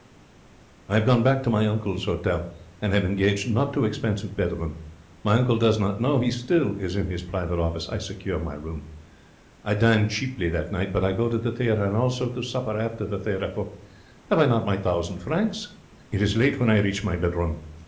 I have gone back to my uncle's hotel, and I have engaged not too expensive bedroom. My uncle does not know. He still is in his private office. I secure my room. I dine cheaply that night, but I go to theatre and also to supper after the theatre, for have I not my thousand francs? It is late when I reach my bedroom.